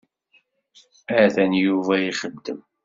Atan Yuba ixeddem.